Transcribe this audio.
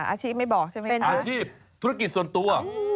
อาชีพไม่บอกใช่ไหมเป็นอาชีพธุรกิจส่วนตัว